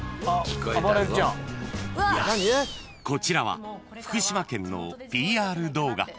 ［こちらは福島県のＰＲ動画］